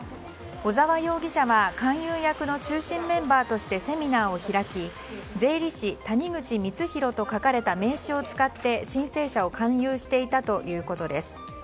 小沢容疑者は勧誘役の中心メンバーとしてセミナーを開き「税理士・谷口光弘」と書かれた名刺を使って、申請者を勧誘していたということです。